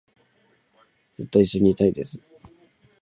ずっと一緒にいたいです